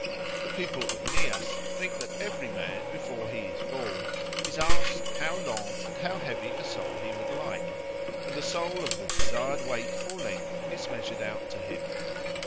The people of Nias think that every man, before he is born, is asked how long or how heavy a soul he would like, and a soul of the desired weight or length is measured out to him.